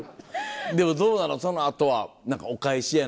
でもどうなの？